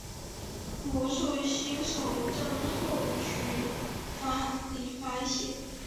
魔术新手症候群版本里发现。